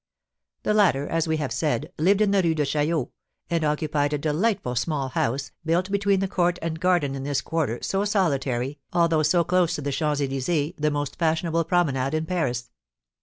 The latter, as we have said, lived in the Rue de Chaillot, and occupied a delightful small house, built between the court and the garden in this quarter, so solitary, although so close to the Champs Elysées, the most fashionable promenade in Paris.